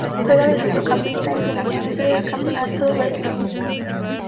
Juega de centrocampista en Fluminense del Campeonato Brasileño.